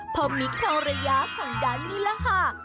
พ่อมิทร์ของระยะข้างด้านนี้ล่ะค่ะ